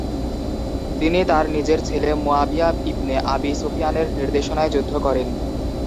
তিনি তার নিজের ছেলে মুয়াবিয়া ইবনে আবি সুফিয়ানের নির্দেশনায় যুদ্ধ করেন।